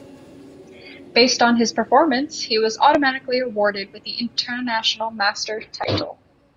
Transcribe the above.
Based on his performance, he was automatically awarded the International Master title.